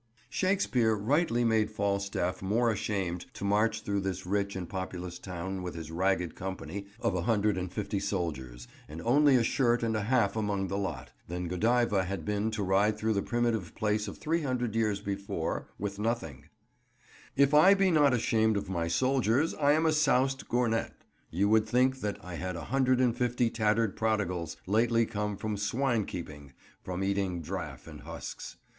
Shakespeare rightly made Falstaff more ashamed to march through this rich and populous town with his ragged company of a hundred and fifty soldiers, and only a shirt and a half among the lot, than Godiva had been to ride through the primitive place of three hundred years before, with nothing— "If I be not ashamed of my soldiers, I am a soused gurnet ... you would think that I had a hundred and fifty tattered prodigals, lately come from swine keeping, from eating draff and husks.